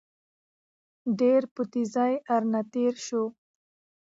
ډېر په تېزى راڅخه تېر شو.